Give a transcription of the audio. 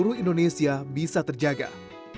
buat lama dia lo saya kalah